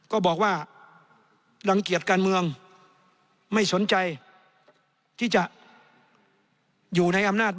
ก็บอกว่ารังเกียจการเมืองไม่สนใจที่จะอยู่ในอำนาจ